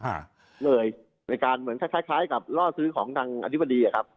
เหนื่อยในการเหมือนคล้ายคล้ายคล้ายกับล่อซื้อของดังอธิบดีอ่ะครับ